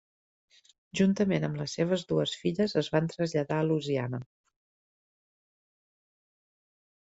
Juntament amb les seves dues filles es van traslladar a Louisiana.